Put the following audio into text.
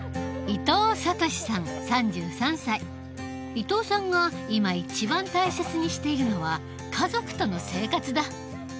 伊藤さんが今一番大切にしているのは家族との生活だ。